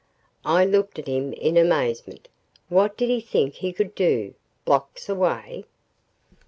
I looked at him in amazement. What did he think he could do blocks away?